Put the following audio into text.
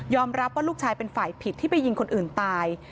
รับว่าลูกชายเป็นฝ่ายผิดที่ไปยิงคนอื่นตาย